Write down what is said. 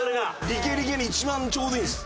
「リケリケ」に一番ちょうどいいんです。